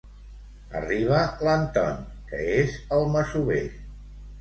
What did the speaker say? Arriba l'Anton, que és el masover.